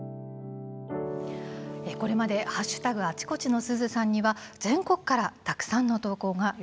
これまで「＃あちこちのすずさん」には全国からたくさんの投稿が寄せられています。